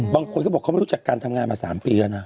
บางคนเขาบอกเขาไม่รู้จักการทำงานมา๓ปีแล้วนะ